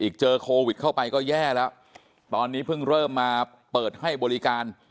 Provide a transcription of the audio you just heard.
เจอโควิดเข้าไปก็แย่แล้วตอนนี้เพิ่งเริ่มมาเปิดให้บริการ